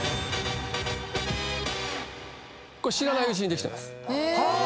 知らないうちにできてます。